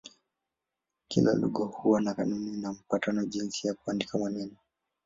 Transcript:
Kila lugha huwa na kanuni na mapatano jinsi ya kuandika maneno.